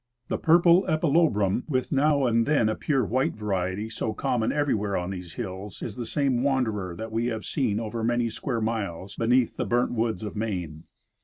That purple EpUobrum, Avith now and then a pure white variety, so common everywhere on these hills, is the same wanderer that we have seen over many square miles beneath the burnt woods of Maine.